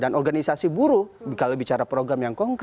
dan organisasi buruh kalau bicara program yang konkret